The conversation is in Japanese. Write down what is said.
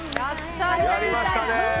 やりましたね。